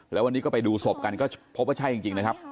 แล้ววันนี้ก็ไปดูศพกันก็พบว่าใช่จริงนะครับ